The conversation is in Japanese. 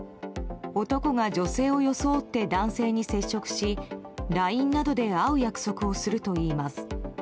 男が女性を装って男性に接触しＬＩＮＥなどで会う約束をするといいます。